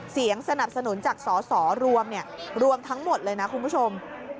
เสียงสนับสนุนจากสสรวมรวมทั้งหมดเลยนะคุณผู้ชม